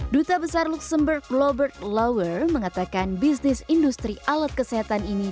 duta besar luxembourg robert lauer mengatakan bisnis industri alat kesehatan ini